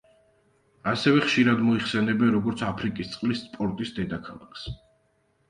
ასევე ხშირად მოიხსენიებენ, როგორც აფრიკის წყლის სპორტის დედაქალაქს.